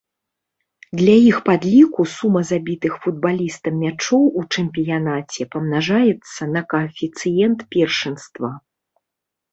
Для іх падліку сума забітых футбалістам мячоў у чэмпіянаце памнажаецца на каэфіцыент першынства.